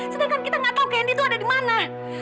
sedangkan kita nggak tahu kendi itu ada di mana